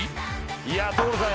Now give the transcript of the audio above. いや。